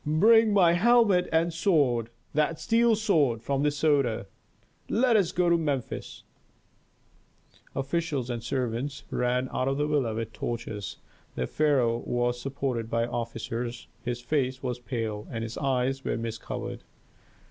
"Bring my helmet and sword that steel sword from the Soda . Let us go to Memphis " Officials and servants ran out of the villa with torches. The pharaoh was supported by officers, his face was pale and his eyes were mist covered.